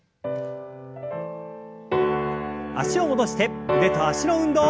脚を戻して腕と脚の運動。